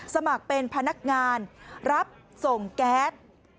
สมัครเป็นพนักงานรับส่งแก๊ส